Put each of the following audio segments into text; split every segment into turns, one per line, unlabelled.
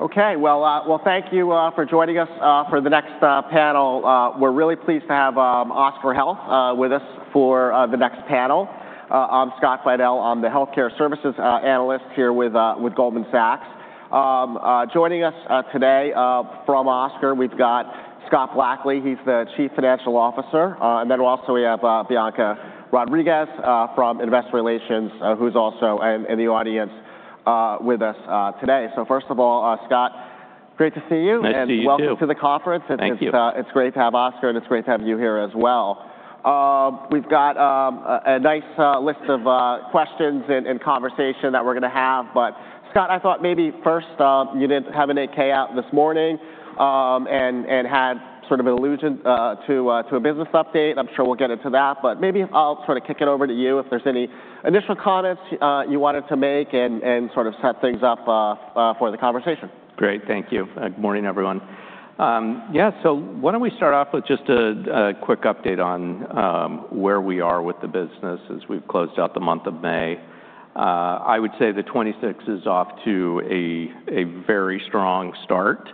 Well, thank you for joining us for the next panel. We're really pleased to have Oscar Health with us for the next panel. I'm Scott Fidel. I'm the healthcare services analyst here with Goldman Sachs. Joining us today from Oscar, we've got Scott Blackley, he's the chief financial officer, and then also we have Bianca Rodriguez from investor relations, who's also in the audience with us today. First of all, Scott, great to see you.
Nice to see you too.
Welcome to the conference.
Thank you.
It's great to have Oscar, and it's great to have you here as well. We've got a nice list of questions and conversation that we're going to have. Scott, I thought maybe first, you did have an 8-K out this morning, had sort of an allusion to a business update. I'm sure we'll get into that. Maybe I'll sort of kick it over to you if there's any initial comments you wanted to make and sort of set things up for the conversation.
Great. Thank you. Good morning, everyone. Why don't we start off with just a quick update on where we are with the business as we've closed out the month of May. I would say that 2026 is off to a very strong start.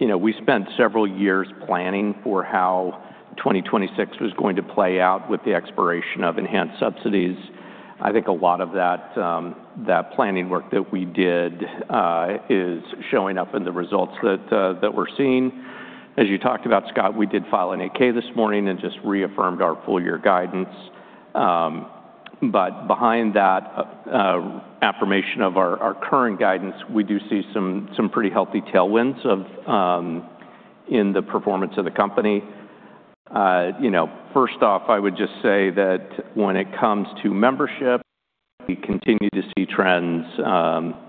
We spent several years planning for how 2026 was going to play out with the expiration of enhanced subsidies. I think a lot of that planning work that we did is showing up in the results that we're seeing. As you talked about, Scott, we did file an 8-K this morning, just reaffirmed our full year guidance. Behind that affirmation of our current guidance, we do see some pretty healthy tailwinds in the performance of the company. First off, I would just say that when it comes to membership, we continue to see trends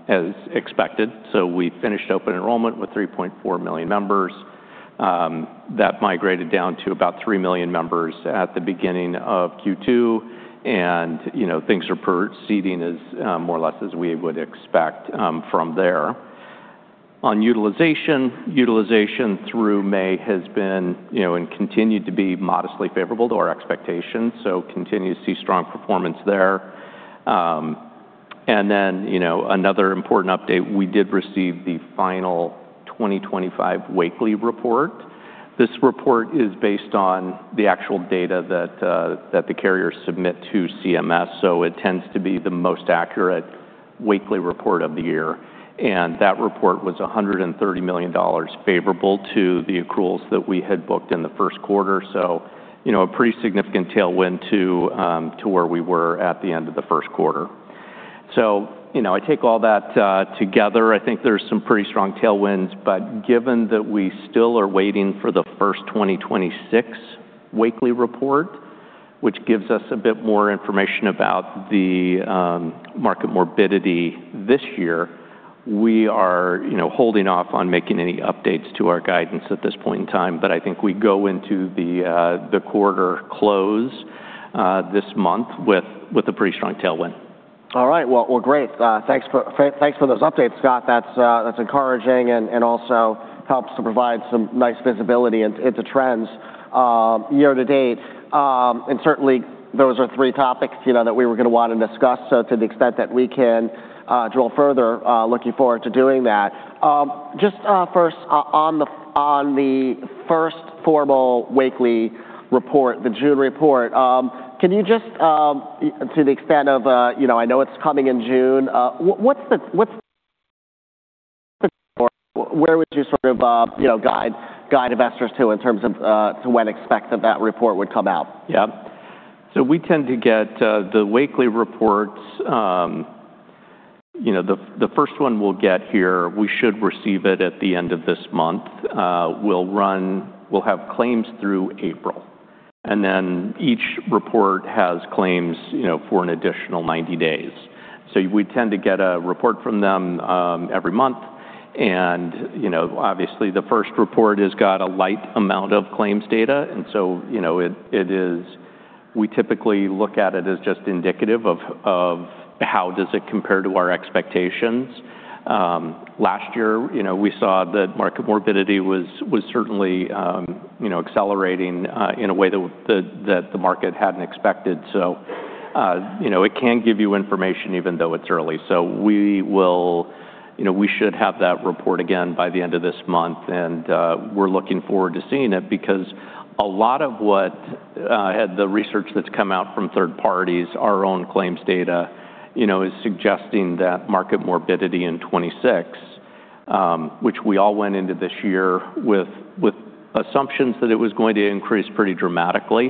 as expected. We finished open enrollment with 3.4 million members. That migrated down to about 3 million members at the beginning of Q2. Things are proceeding more or less as we would expect from there. On utilization through May has been, continued to be modestly favorable to our expectations, continue to see strong performance there. Another important update, we did receive the final 2025 Wakely report. This report is based on the actual data that the carriers submit to CMS, it tends to be the most accurate Wakely report of the year. That report was $130 million favorable to the accruals that we had booked in the first quarter, a pretty significant tailwind to where we were at the end of the first quarter. I take all that together, I think there's some pretty strong tailwinds, given that we still are waiting for the first 2026 Wakely report, which gives us a bit more information about the market morbidity this year, we are holding off on making any updates to our guidance at this point in time. I think we go into the quarter close this month with a pretty strong tailwind.
All right. Well, great. Thanks for those updates, Scott. That's encouraging and also helps to provide some nice visibility into trends year to date. Certainly those are three topics that we were going to want to discuss. To the extent that we can drill further, looking forward to doing that. Just first, on the first formal Wakely report, the June report, can you just to the extent of, I know it's coming in June, what's the report? Where would you sort of guide investors to in terms of when to expect that report would come out?
Yeah. We tend to get the Wakely reports, the first one we'll get here, we should receive it at the end of this month. We'll have claims through April, then each report has claims for an additional 90 days. We tend to get a report from them every month, and obviously the first report has got a light amount of claims data, we typically look at it as just indicative of how does it compare to our expectations. Last year, we saw that market morbidity was certainly accelerating in a way that the market hadn't expected. It can give you information even though it's early. We should have that report again by the end of this month, and we're looking forward to seeing it because a lot of what the research that's come out from third parties, our own claims data is suggesting that market morbidity in 2026, which we all went into this year with assumptions that it was going to increase pretty dramatically.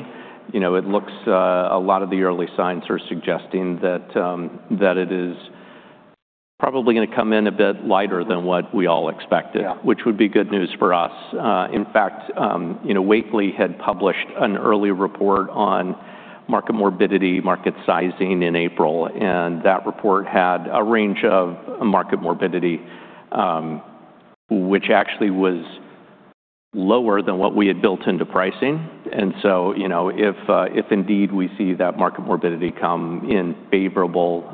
A lot of the early signs are suggesting that it is probably going to come in a bit lighter than what we all expected.
Yeah
Which would be good news for us. In fact, Wakely had published an early report on market morbidity, market sizing in April, and that report had a range of market morbidity, which actually was lower than what we had built into pricing. If indeed we see that market morbidity come in favorable,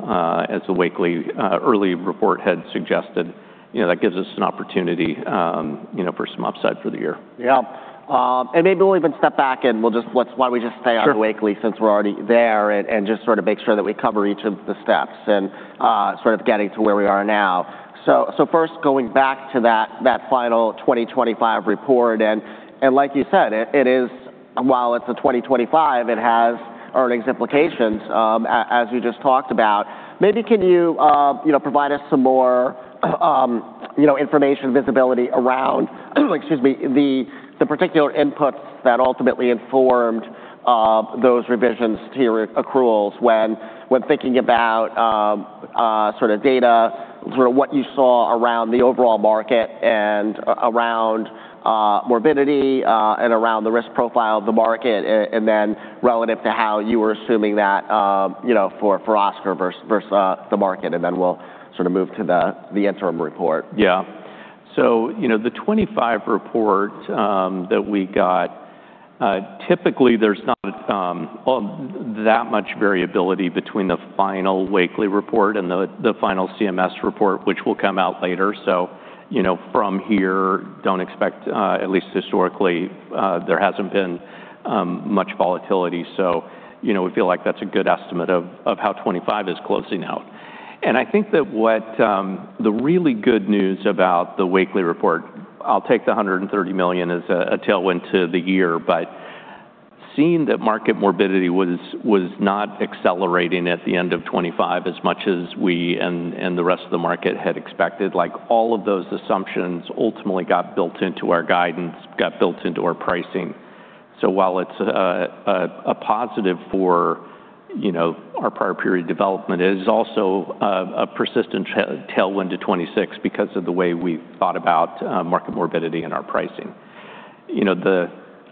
as the Wakely early report had suggested, that gives us an opportunity for some upside for the year.
Yeah. Maybe we'll even step back, and why don't we just stay on Wakely.
Sure
Since we're already there, just sort of make sure that we cover each of the steps and sort of getting to where we are now. First, going back to that final 2025 report, like you said, it is. While it's a 2025, it has earnings implications, as we just talked about. Maybe can you provide us some more information, visibility around, excuse me, the particular inputs that ultimately informed those revisions to your accruals when thinking about data, what you saw around the overall market and around morbidity, and around the risk profile of the market. Then relative to how you were assuming that for Oscar versus the market. We'll move to the interim report.
Yeah. The 2025 report that we got, typically there's not that much variability between the final Wakely report and the final CMS report, which will come out later. From here, don't expect, at least historically, there hasn't been much volatility. We feel like that's a good estimate of how 2025 is closing out. I think that what the really good news about the Wakely report, I'll take the $130 million as a tailwind to the year, but seeing that market morbidity was not accelerating at the end of 2025 as much as we and the rest of the market had expected, all of those assumptions ultimately got built into our guidance, got built into our pricing. While it's a positive for our prior period development, it is also a persistent tailwind to 2026 because of the way we thought about market morbidity and our pricing.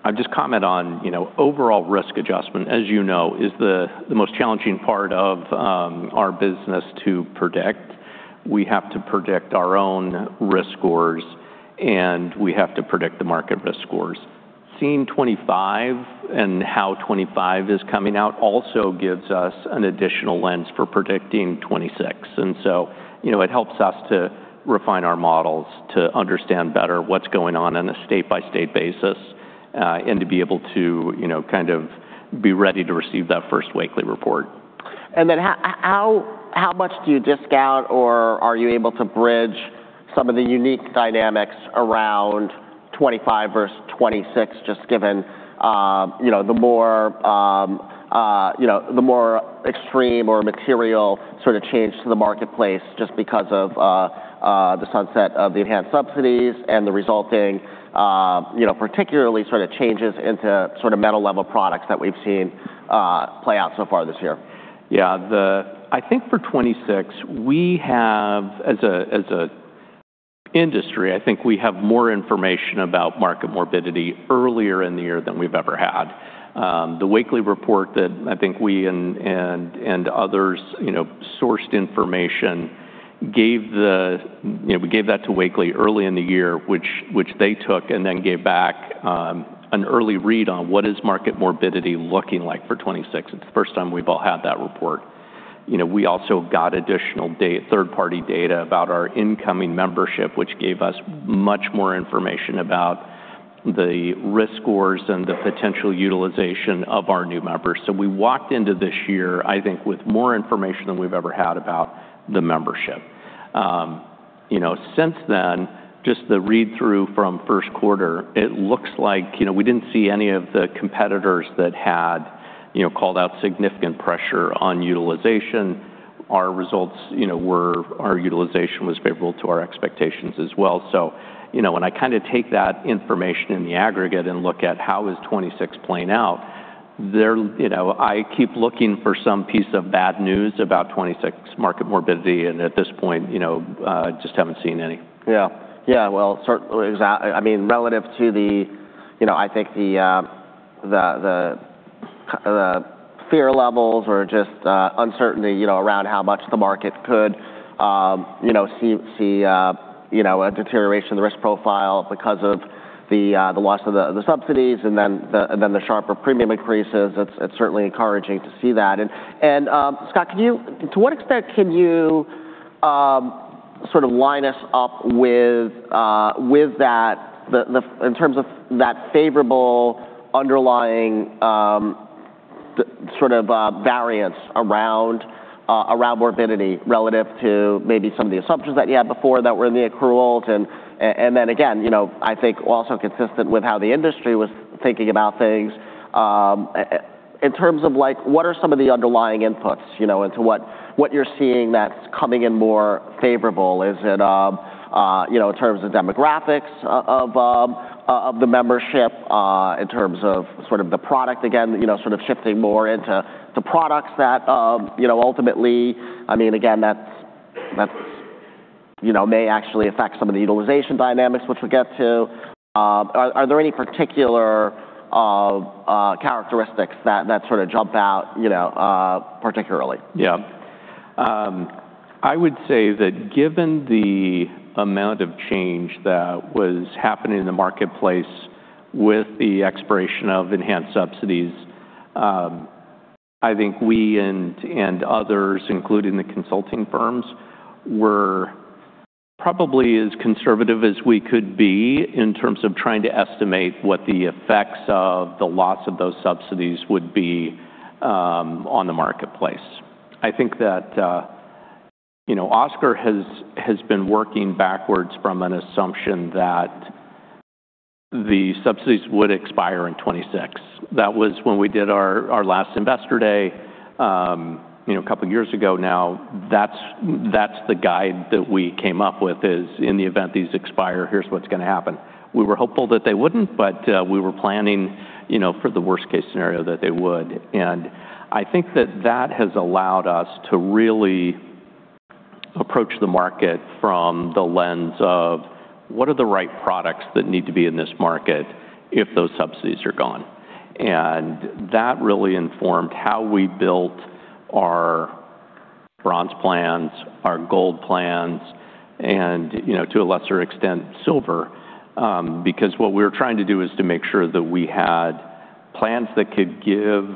I'll just comment on overall risk adjustment, as you know, is the most challenging part of our business to predict. We have to predict our own risk scores, and we have to predict the market risk scores. Seeing 2025 and how 2025 is coming out also gives us an additional lens for predicting 2026. It helps us to refine our models to understand better what's going on in a state-by-state basis, and to be able to be ready to receive that first Wakely report.
How much do you discount, or are you able to bridge some of the unique dynamics around 2025 versus 2026, just given the more extreme or material change to the marketplace just because of the sunset of the enhanced subsidies and the resulting particularly changes into metal-level products that we've seen play out so far this year?
Yeah. I think for 2026, as an industry, I think we have more information about market morbidity earlier in the year than we've ever had. The Wakely report that I think we and others sourced information, we gave that to Wakely early in the year, which they took and then gave back an early read on what is market morbidity looking like for 2026. It's the first time we've all had that report. We also got additional third-party data about our incoming membership, which gave us much more information about the risk scores and the potential utilization of our new members. We walked into this year, I think, with more information than we've ever had about the membership. Since then, just the read-through from first quarter, it looks like we didn't see any of the competitors that had called out significant pressure on utilization. Our utilization was favorable to our expectations as well. When I take that information in the aggregate and look at how is 2026 playing out, I keep looking for some piece of bad news about 2026 market morbidity, and at this point, just haven't seen any.
Yeah. Well, certainly, relative to the fear levels or just uncertainty around how much the market could see a deterioration in the risk profile because of the loss of the subsidies and then the sharper premium increases, it's certainly encouraging to see that. Scott, to what extent can you line us up with that in terms of that favorable underlying variance around morbidity relative to maybe some of the assumptions that you had before that were in the accruals. Again, I think also consistent with how the industry was thinking about things, in terms of what are some of the underlying inputs into what you're seeing that's coming in more favorable? Is it in terms of demographics of the membership, in terms of the product, again, shifting more into products that ultimately may actually affect some of the utilization dynamics, which we'll get to. Are there any particular characteristics that jump out particularly?
Yeah. I would say that given the amount of change that was happening in the marketplace with the expiration of enhanced subsidies, I think we and others, including the consulting firms, were probably as conservative as we could be in terms of trying to estimate what the effects of the loss of those subsidies would be on the marketplace. I think Oscar has been working backwards from an assumption that the subsidies would expire in 2026. That was when we did our last investor day, a couple of years ago now. That's the guide that we came up with is in the event these expire, here's what's going to happen. We were hopeful that they wouldn't, we were planning for the worst case scenario that they would. I think that that has allowed us to really approach the market from the lens of what are the right products that need to be in this market if those subsidies are gone. That really informed how we built our Bronze plans, our Gold plans, and to a lesser extent, Silver, because what we were trying to do is to make sure that we had plans that could give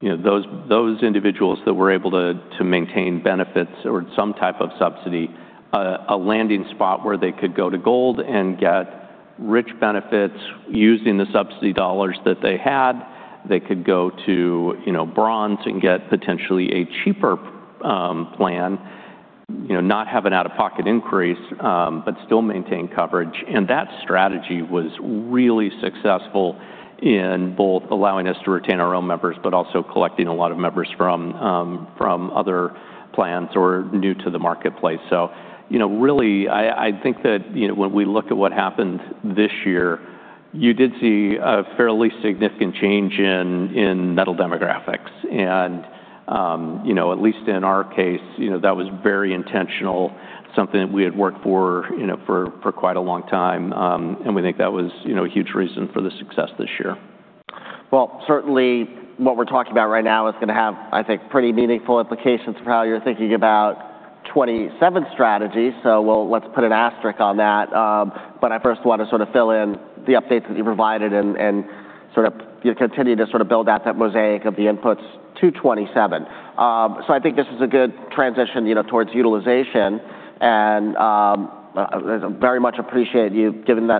those individuals that were able to maintain benefits or some type of subsidy, a landing spot where they could go to Gold and get rich benefits using the subsidy dollars that they had. They could go to Bronze and get potentially a cheaper plan, not have an out-of-pocket increase, still maintain coverage. That strategy was really successful in both allowing us to retain our own members, also collecting a lot of members from other plans or new to the marketplace. Really, I think that when we look at what happened this year, you did see a fairly significant change in metal demographics, at least in our case, that was very intentional, something that we had worked for quite a long time. We think that was a huge reason for the success this year.
Certainly what we're talking about right now is going to have, I think, pretty meaningful implications for how you're thinking about 2027 strategies. Let's put an asterisk on that. I first want to sort of fill in the updates that you provided and sort of continue to sort of build out that mosaic of the inputs to 2027. I think this is a good transition towards utilization, and very much appreciate you giving the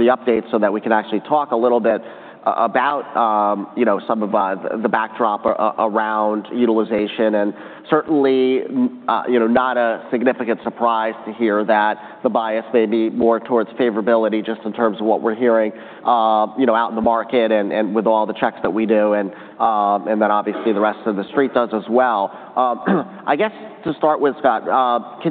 updates so that we can actually talk a little bit about some of the backdrop around utilization, and certainly not a significant surprise to hear that the bias may be more towards favorability just in terms of what we're hearing out in the market and with all the checks that we do, and then obviously the rest of the street does as well. I guess to start with, Scott,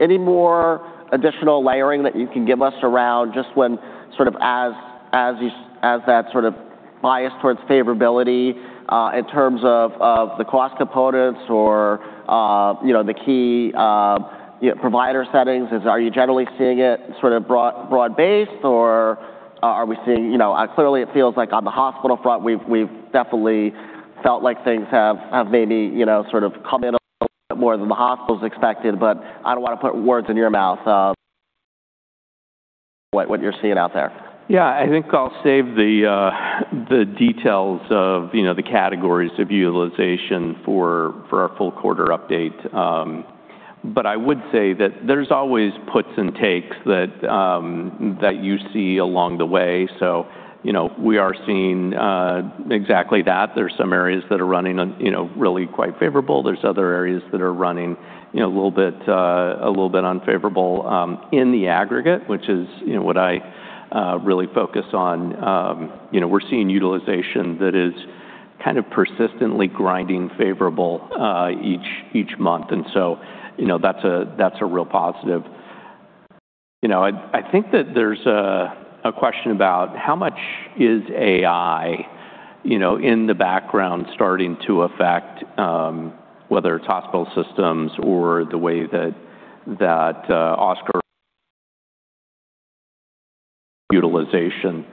any more additional layering that you can give us around just when sort of as that sort of bias towards favorability in terms of the cost components or the key provider settings, are you generally seeing it sort of broad-based, or are we seeing clearly it feels like on the hospital front, we've definitely felt like things have maybe sort of come in a little bit more than the hospitals expected, but I don't want to put words in your mouth. What you're seeing out there?
I think I'll save the details of the categories of utilization for our full quarter update. I would say that there's always puts and takes that you see along the way. We are seeing exactly that. There's some areas that are running really quite favorable. There's other areas that are running a little bit unfavorable in the aggregate, which is what I really focus on. We're seeing utilization that is kind of persistently grinding favorable each month, that's a real positive. I think that there's a question about how much is AI in the background starting to affect whether it's hospital systems or the way that Oscar utilization.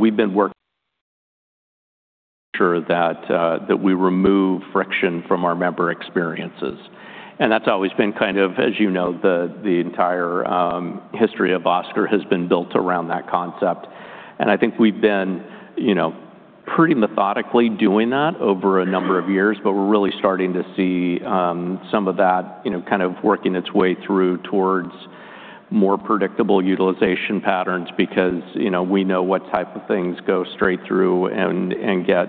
We've been sure that we remove friction from our member experiences, that's always been kind of, as you know, the entire history of Oscar has been built around that concept, I think we've been pretty methodically doing that over a number of years, but we're really starting to see some of that kind of working its way through towards more predictable utilization patterns because we know what type of things go straight through and get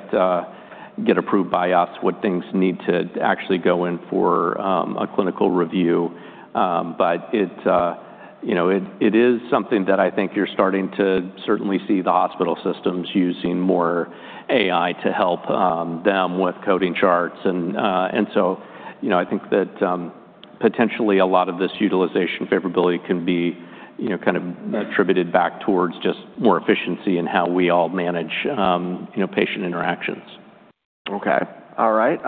approved by us, what things need to actually go in for a clinical review. It is something that I think you're starting to certainly see the hospital systems using more AI to help them with coding charts, I think that potentially a lot of this utilization favorability can be kind of attributed back towards just more efficiency in how we all manage patient interactions.
Okay. All right.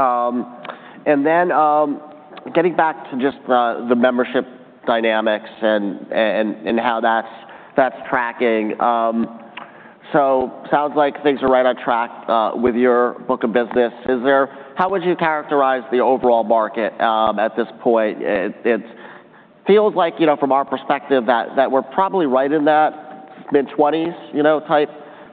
Getting back to just the membership dynamics and how that's tracking. Sounds like things are right on track with your book of business. How would you characterize the overall market at this point? It feels like from our perspective that we're probably right in that mid-20s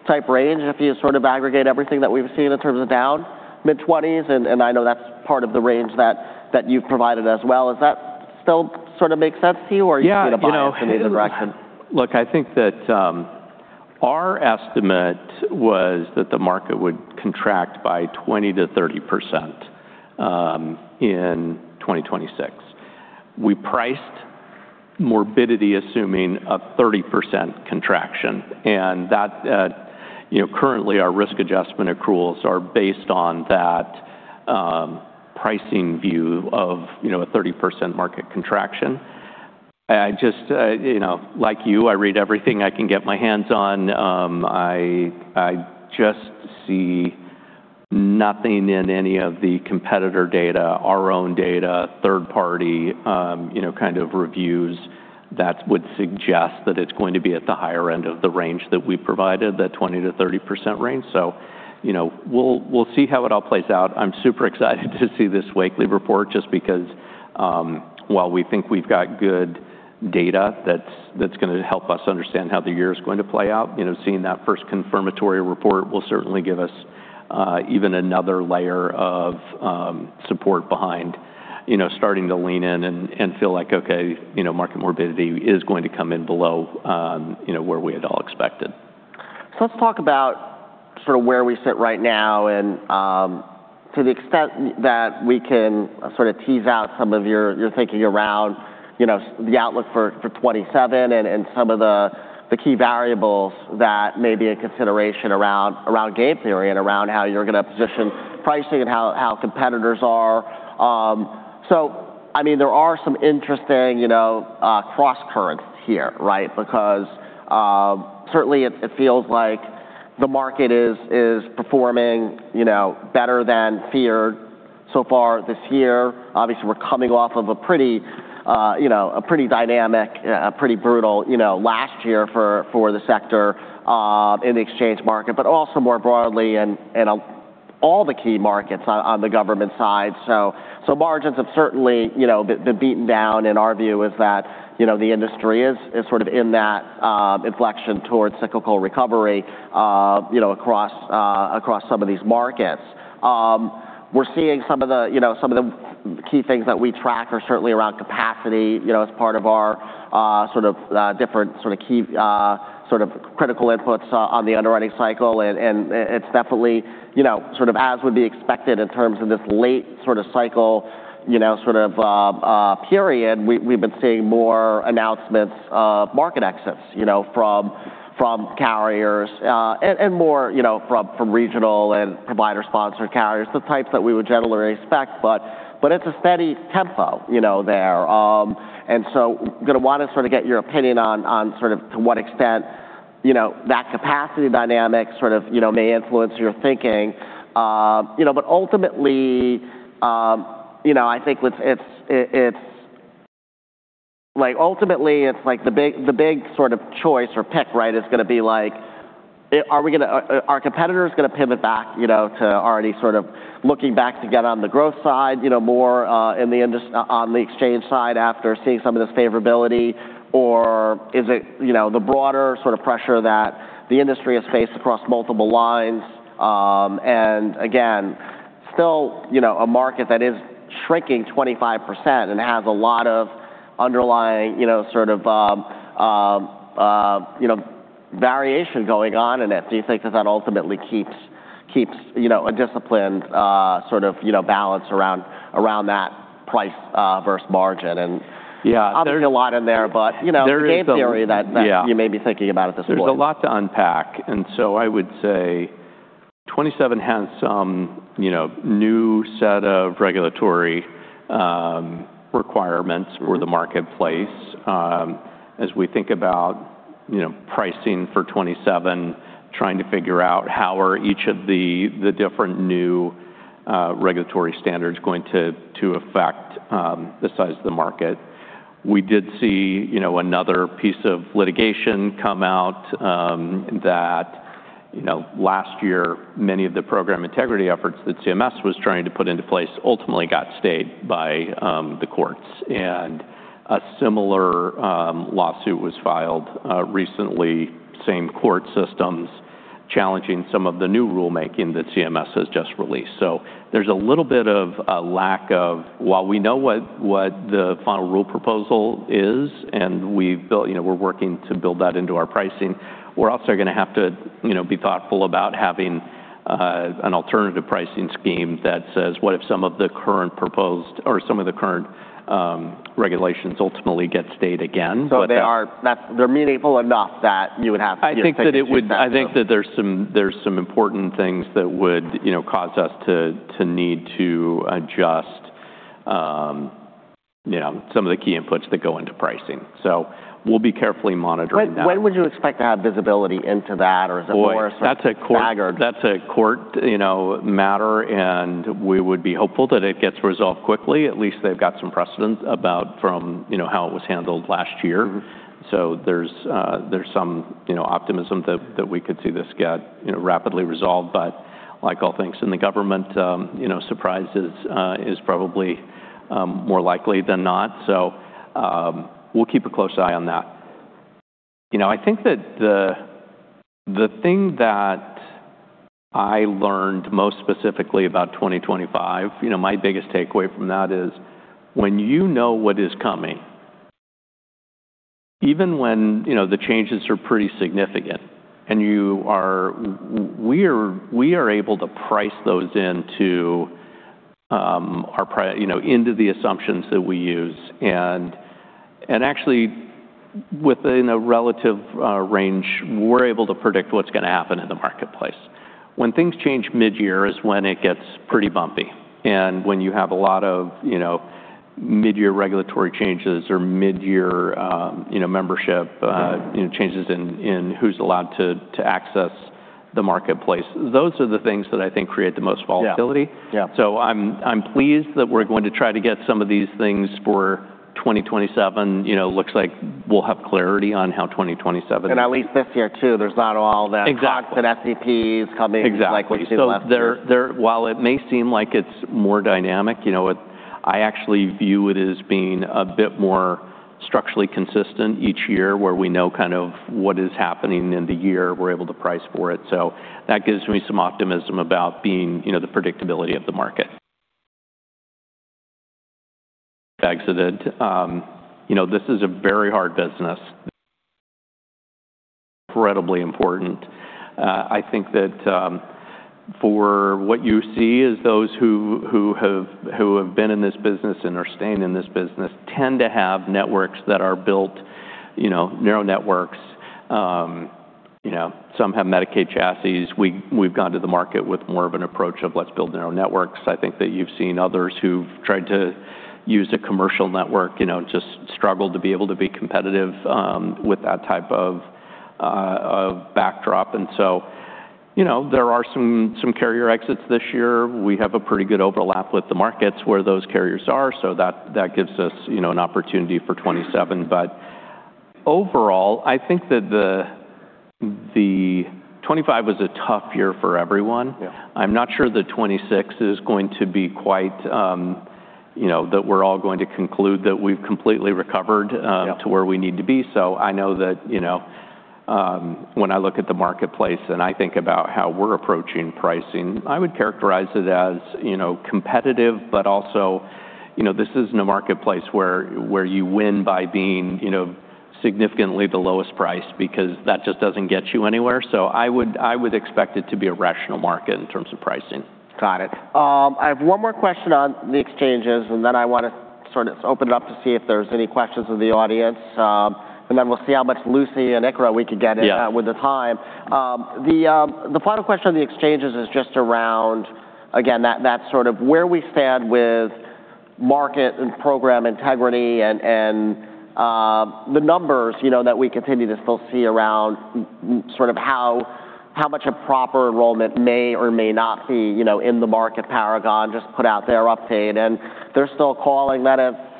type range, if you sort of aggregate everything that we've seen in terms of down mid-20s, and I know that's part of the range that you've provided as well. Does that still sort of make sense to you, or are you seeing a bias in either direction?
I think that our estimate was that the market would contract by 20%-30% in 2026. We priced morbidity assuming a 30% contraction, and currently our risk adjustment accruals are based on that pricing view of a 30% market contraction. Like you, I read everything I can get my hands on. I just see nothing in any of the competitor data, our own data, third-party kind of reviews that would suggest that it's going to be at the higher end of the range that we provided, that 20%-30% range. We'll see how it all plays out. I'm super excited to see this weekly report just because while we think we've got good data that's going to help us understand how the year is going to play out, seeing that first confirmatory report will certainly give us even another layer of support behind starting to lean in and feel like, okay, market morbidity is going to come in below where we had all expected.
Let's talk about sort of where we sit right now and to the extent that we can sort of tease out some of your thinking around the outlook for 2027 and some of the key variables that may be a consideration around game theory and around how you're going to position pricing and how competitors are. There are some interesting crosscurrents here, right? Certainly it feels like the market is performing better than feared so far this year. Obviously, we're coming off of a pretty dynamic, pretty brutal last year for the sector in the exchange market, but also more broadly in all the key markets on the government side. Margins have certainly been beaten down, and our view is that the industry is sort of in that inflection towards cyclical recovery across some of these markets. We're seeing some of the key things that we track are certainly around capacity, as part of our sort of different sort of key critical inputs on the underwriting cycle. It's definitely sort of as would be expected in terms of this late sort of cycle period. We've been seeing more announcements of market exits from carriers, more from regional and provider-sponsored carriers, the types that we would generally expect. It's a steady tempo there. I'm going to want to sort of get your opinion on sort of to what extent that capacity dynamic sort of may influence your thinking. Ultimately, I think the big sort of choice or pick, right, is going to be like, are competitors going to pivot back to already sort of looking back to get on the growth side more on the exchange side after seeing some of this favorability? Is it the broader sort of pressure that the industry has faced across multiple lines? Again, still a market that is shrinking 25% and has a lot of underlying sort of variation going on in it. Do you think that that ultimately keeps a disciplined sort of balance around that price versus margin?
Yeah.
Obviously, a lot in there.
There is some-
a game theory.
Yeah
you may be thinking about at this point.
There's a lot to unpack. I would say 2027 has some new set of regulatory requirements for the marketplace. As we think about pricing for 2027, trying to figure out how are each of the different new regulatory standards going to affect the size of the market. We did see another piece of litigation come out, that last year, many of the program integrity efforts that CMS was trying to put into place ultimately got stayed by the courts. A similar lawsuit was filed recently, same court systems challenging some of the new rulemaking that CMS has just released. There's a little bit of a lack of, while we know what the final rule proposal is, and we're working to build that into our pricing, we're also going to have to be thoughtful about having an alternative pricing scheme that says, "What if some of the current proposed or some of the current regulations ultimately get stayed again?
They're meaningful enough that you would have to give serious due diligence.
I think that there's some important things that would cause us to need to adjust some of the key inputs that go into pricing. We'll be carefully monitoring that.
When would you expect to have visibility into that? Is it more sort of staggered?
Boy, that's a court matter, and we would be hopeful that it gets resolved quickly. At least they've got some precedent about from how it was handled last year. There's some optimism that we could see this get rapidly resolved. Like all things in the government, surprises are probably more likely than not. We'll keep a close eye on that. I think that the thing that I learned most specifically about 2025, my biggest takeaway from that is when you know what is coming. Even when the changes are pretty significant and we are able to price those into the assumptions that we use, and actually within a relative range, we're able to predict what's going to happen in the marketplace. When things change mid-year is when it gets pretty bumpy, and when you have a lot of mid-year regulatory changes or mid-year membership changes in who's allowed to access the marketplace. Those are the things that I think create the most volatility.
Yeah.
I'm pleased that we're going to try to get some of these things for 2027. Looks like we'll have clarity on how 2027 is.
At least this year, too, there's not all that.
Exactly
Talk that SEPs are coming, like we've seen last year.
Exactly. While it may seem like it's more dynamic, I actually view it as being a bit more structurally consistent each year, where we know what is happening in the year, we're able to price for it. That gives me some optimism about the predictability of the market. Exited. This is a very hard business. Incredibly important. I think that for what you see is those who have been in this business and are staying in this business tend to have networks that are built, narrow networks. Some have Medicaid chassis. We've gone to the market with more of an approach of let's build narrow networks. I think that you've seen others who've tried to use a commercial network, just struggle to be able to be competitive with that type of backdrop. There are some carrier exits this year. We have a pretty good overlap with the markets where those carriers are, that gives us an opportunity for 2027. Overall, I think that the 2025 was a tough year for everyone.
Yeah.
I'm not sure that 2026 is going to be quite, that we're all going to conclude that we've completely recovered.
Yeah
to where we need to be. I know that when I look at the marketplace, and I think about how we're approaching pricing, I would characterize it as competitive, also, this isn't a marketplace where you win by being significantly the lowest price, because that just doesn't get you anywhere. I would expect it to be a rational market in terms of pricing.
Got it. I have one more question on the exchanges, and then I want to open it up to see if there's any questions with the audience, and then we'll see how much loosey and ick we could get in.
Yeah
With the time. The final question on the exchanges is just around, again, that sort of where we stand with market and program integrity and the numbers that we continue to still see around how much improper enrollment may or may not be in the market. Paragon Healthcare just put out their update, and they're still calling that a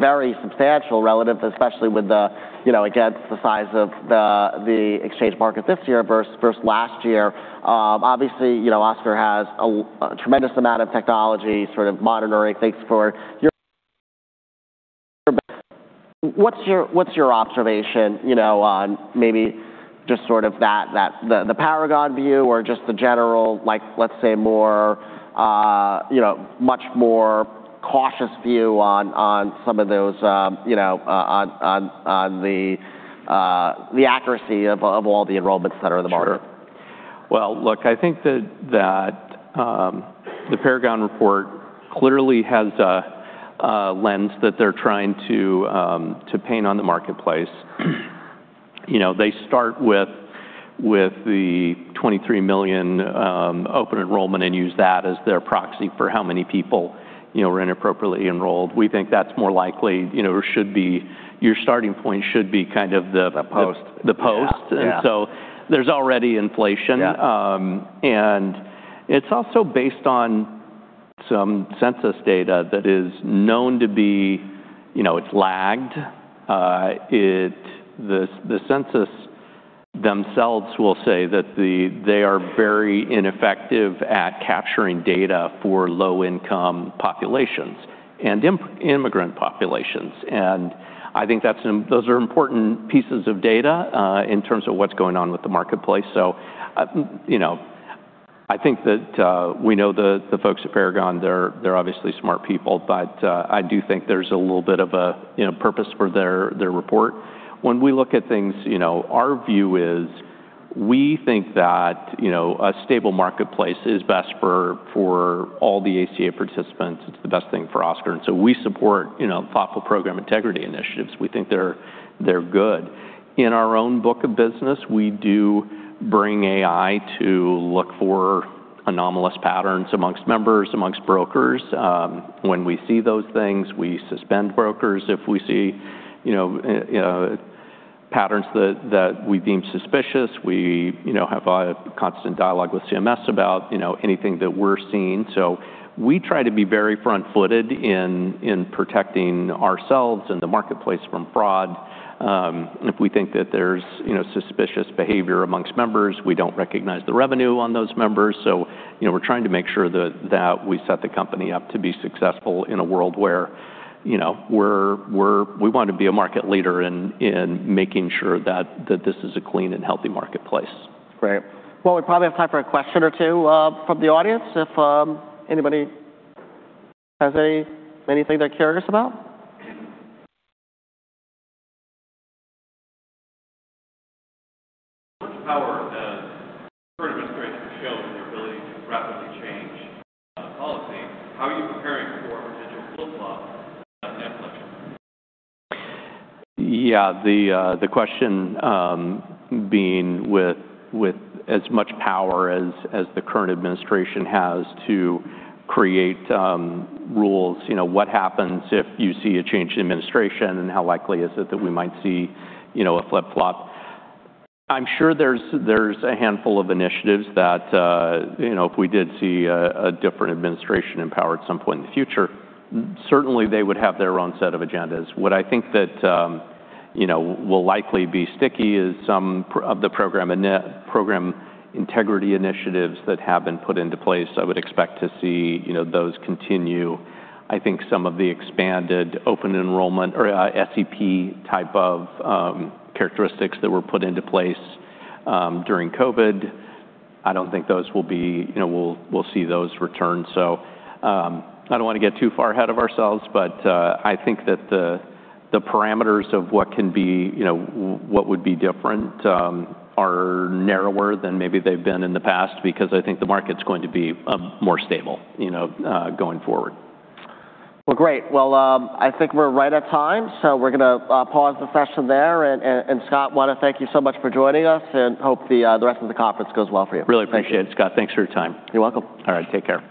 very substantial relative, especially against the size of the exchange market this year versus last year. Obviously, Oscar has a tremendous amount of technology monitoring things for your. What's your observation on maybe just sort of the Paragon view or just the general, let's say much more cautious view on some of those, on the accuracy of all the enrollments that are in the market?
Sure. Well, look, I think that the Paragon report clearly has a lens that they're trying to paint on the marketplace. They start with the 23 million open enrollment and use that as their proxy for how many people were inappropriately enrolled. We think that's more likely, your starting point should be kind of the.
The post.
the post.
Yeah.
There's already inflation.
Yeah.
It's also based on some census data that is known to be lagged. The census themselves will say that they are very ineffective at capturing data for low-income populations and immigrant populations. I think those are important pieces of data in terms of what's going on with the marketplace. I think that we know the folks at Paragon, they're obviously smart people, but I do think there's a little bit of a purpose for their report. When we look at things, our view is we think that a stable marketplace is best for all the ACA participants. It's the best thing for Oscar, we support thoughtful program integrity initiatives. We think they're good. In our own book of business, we do bring AI to look for anomalous patterns amongst members, amongst brokers. When we see those things, we suspend brokers. If we see patterns that we deem suspicious, we have a constant dialogue with CMS about anything that we're seeing. We try to be very front-footed in protecting ourselves and the marketplace from fraud. If we think that there's suspicious behavior amongst members, we don't recognize the revenue on those members. We're trying to make sure that we set the company up to be successful in a world where we want to be a market leader in making sure that this is a clean and healthy marketplace.
Great. We probably have time for a question or two from the audience, if anybody has anything they're curious about.
With as much power as the current administration has shown in their ability to rapidly change policy, how are you preparing for a potential flip-flop after the next election?
Yeah, the question being with as much power as the current administration has to create rules, what happens if you see a change in administration, and how likely is it that we might see a flip-flop? I'm sure there's a handful of initiatives that if we did see a different administration in power at some point in the future, certainly they would have their own set of agendas. What I think that will likely be sticky is some of the program integrity initiatives that have been put into place. I would expect to see those continue. I think some of the expanded open enrollment or SEP type of characteristics that were put into place during COVID, I don't think we'll see those return. I don't want to get too far ahead of ourselves, but I think that the parameters of what would be different are narrower than maybe they've been in the past because I think the market's going to be more stable going forward.
Well, great. Well, I think we're right at time, so we're going to pause the session there. Scott, I want to thank you so much for joining us and hope the rest of the conference goes well for you
Really appreciate it, Scott. Thanks for your time.
You're welcome.
All right. Take care.